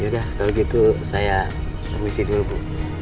yaudah kalau gitu saya permisi dulu bu